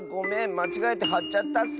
まちがえてはっちゃったッス。